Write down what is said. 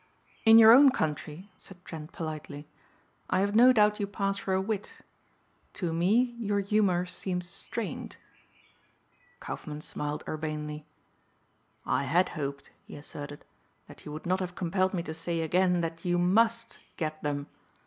"In your own country," said Trent politely, "I have no doubt you pass for a wit. To me your humor seems strained." Kaufmann smiled urbanely. "I had hoped," he asserted, "that you would not have compelled me to say again that you must get them.